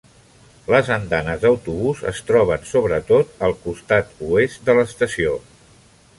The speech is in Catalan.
Les andanes d'autobús es troben sobretot al costat oest de l'estació.